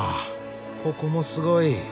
ここもすごい。